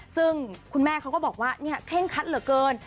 ซึ่งคุณแม่เขาก็บอกว่าเนี่ยเคร่งคัดเหลือเกิน